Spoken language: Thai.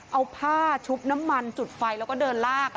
เอาผ้าชุบน้ำมันจุดไฟแล้วก็เดินลาก